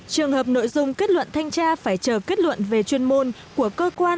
trường hợp nội dung kết luận thanh tra phải chờ kết luận về chuyên môn của cơ quan